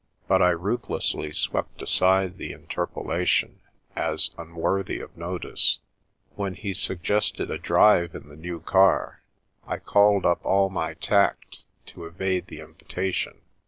But I ruthlessly swept aside the interpolation as unworthy of notice. When he suggested a drive in the new car, I called up all my tact to evade the invitation.